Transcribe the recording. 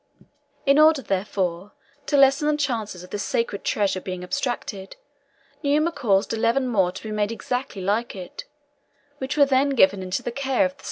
In order, therefore, to lessen the chances of this sacred treasure being abstracted, Numa caused eleven more to be made exactly like it, which were then given into the care of the Salii.